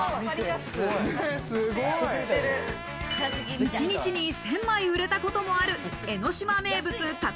一日１０００枚売れたこともある江の島名物・たこ